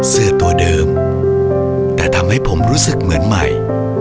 เสื้อตัวเดิมแต่ทำให้ผมรู้สึกเหมือนใหม่